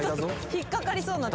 ・引っかかりそうになった。